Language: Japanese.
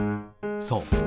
そう。